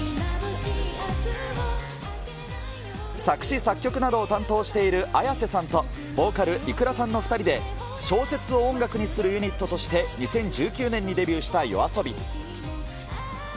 作詞作曲などを担当しているＡｙａｓｅさんと、ボーカル、ｉｋｕｒａさんの２人で、小説を音楽にするユニットとして、２０１９年にデビューしたＹＯＡＳＯＢＩ。